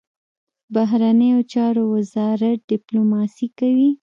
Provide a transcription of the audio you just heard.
بهرنیو چارو وزارت ډیپلوماسي کوي